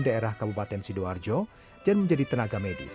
daerah kabupaten sidoarjo dan menjadi tenaga medis